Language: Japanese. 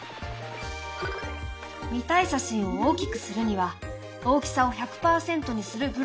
見たい写真を大きくするには「大きさを１００％にする」